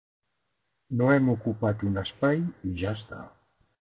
No hem ocupat un espai i ja està.